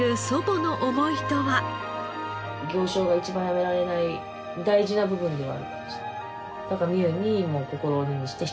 行商が一番やめられない大事な部分ではあるかもしれない。